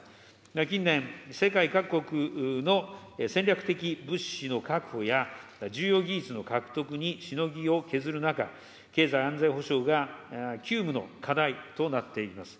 近年、世界各国の戦略的物資の確保や、重要技術の獲得にしのぎを削る中、経済安全保障が急務の課題となっています。